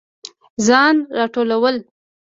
ځان راټولول